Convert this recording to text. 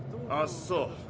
あっそう。